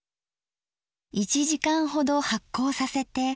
１時間ほど発酵させて。